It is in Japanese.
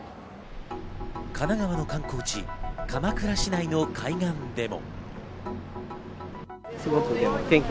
神奈川の観光地、鎌倉市内の海岸でも。